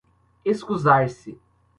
escusar-se